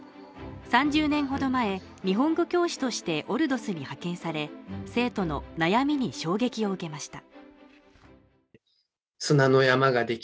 ３０年ほど前日本語教師としてオルドスに派遣され生徒の悩みに衝撃を受けました